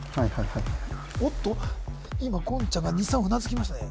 はいはいおっと今言ちゃんが２３うなずきましたね